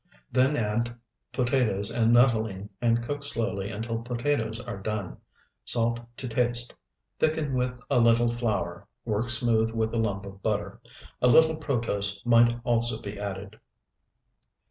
Then add potatoes and nuttolene and cook slowly until potatoes are done. Salt to taste. Thicken with a little flour, work smooth with a lump of butter. A little protose might also be added.